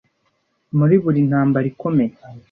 Muri buri ntambara ikomeye.